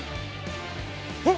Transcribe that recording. えっ！